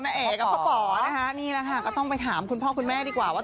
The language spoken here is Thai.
เอ๋กับพ่อป๋อนะคะนี่แหละค่ะก็ต้องไปถามคุณพ่อคุณแม่ดีกว่าว่า